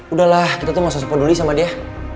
udahlah kita tuh masuk support dulu sama dia